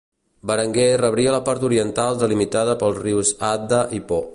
Berenguer rebria la part oriental delimitada pels rius Adda i Po.